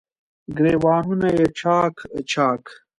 ګریوانونه یې چا ک، چا ک